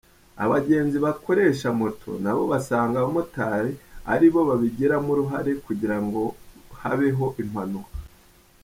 Abagenzi bakoresha moto nabo basanga abamotari ari bo babigiramo uruhare kugira ngo habeho impanuka.